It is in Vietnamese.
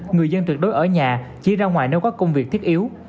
người dân tuyệt đối ở nhà chỉ ra ngoài nếu có công việc thiết yếu